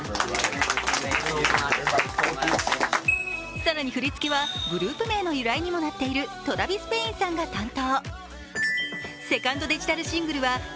更に振り付けはグループ名の由来にもなっているトラヴィス・ペインさんが担当。